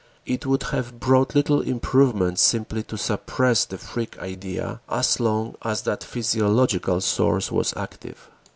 It would have brought little improvement simply to suppress the freak idea as long as that physiological source was active.